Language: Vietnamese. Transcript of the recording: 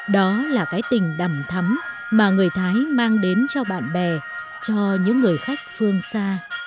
đó là cái tình đầm thắm mà người thái mang đến cho bạn bè cho những người khách phương xa